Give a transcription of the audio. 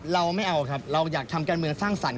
เราไม่เอาครับเราอยากทำการเมืองสร้างสรรค